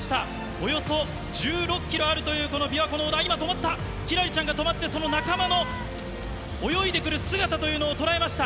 およそ１６キロあるというこのびわ湖の、今、止まった、輝星ちゃんが止まって、その仲間の泳いでくる姿というのを捉えました。